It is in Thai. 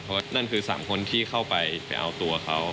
เพราะนั่นคือ๓คนที่เข้าไปเอาตัวเขา